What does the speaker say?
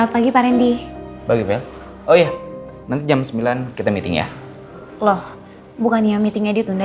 pagi pak randy pagi oh iya nanti jam sembilan kita meeting ya loh bukannya meetingnya ditunda